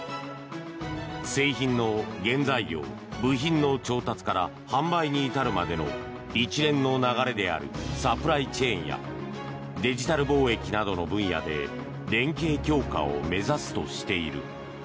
製品の原材料部品の調達から販売に至るまでの一連の流れであるサプライチェーンやデジタル貿易などの分野で連携強化を目指すとしている。